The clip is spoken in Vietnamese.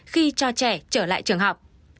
khi cho trẻ trở lại trường học